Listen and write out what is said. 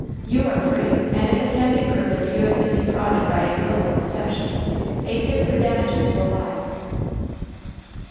You are free, and if it can be proven that you have been defrauded by a willful deception, a suit for damages will lie."